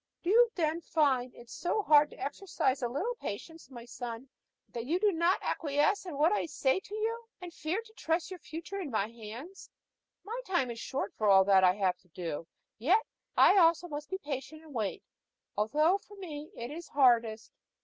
"Do you then find it so hard to exercise a little patience, my son, that you do not acquiesce in what I say to you, and fear to trust your future in my hands? My time is short for all that I have to do, yet I also must be patient and wait, although for me it is hardest.